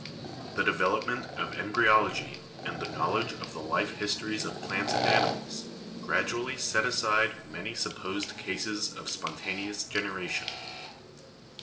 The development of embryology and the knowledge of the life histories of plants and animals gradually set aside many supposed cases of spontaneous generation.